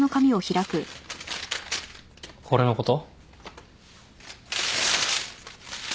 これのこと？